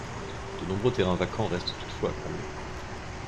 De nombreux terrains vacants restent toutefois à combler.